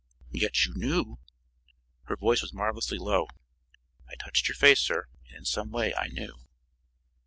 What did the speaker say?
"Yet you knew " Her voice was marvelously low: "I touched your face, sir, and in some way I knew."